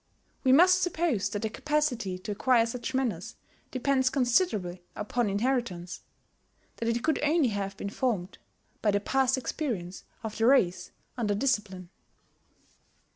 We must suppose that the capacity to acquire such manners depends considerably upon inheritance, that it could only have been formed by the past experience of the race under discipline.